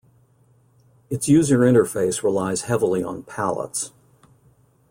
Its user interface relies heavily on palettes.